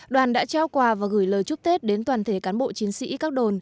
đoàn đã trao quà và gửi lời chúc tết đến toàn thể cán bộ chiến sĩ các đồn